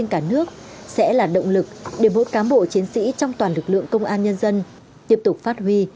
những tấm gương cả nước sẽ là động lực để một cám bộ chiến sĩ trong toàn lực lượng công an nhân dân tiếp tục phát huy